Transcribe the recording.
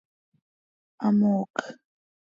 Hamoocj.